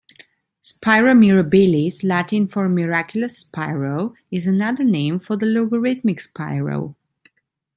Spira mirabilis, Latin for "miraculous spiral", is another name for the logarithmic spiral.